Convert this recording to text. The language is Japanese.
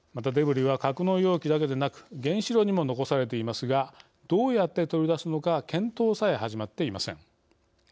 またデブリは格納容器だけでなく原子炉にも残されていますがどうやって取り出すのか検討さえ始まっていません。